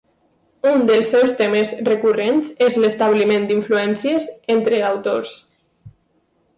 Un dels seus temes recurrents és l'establiment d'influències entre d'autors.